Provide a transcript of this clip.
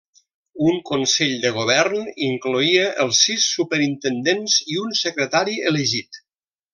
Un consell de govern incloïa els sis superintendents i un secretari elegit.